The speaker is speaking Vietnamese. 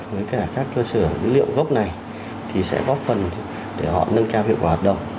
với cả các cơ sở dữ liệu gốc này thì sẽ góp phần để họ nâng cao hiệu quả hoạt động